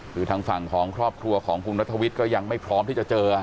คือทางฝั่งของครอบครัวของคุณนัทวิทย์ก็ยังไม่พร้อมที่จะเจอ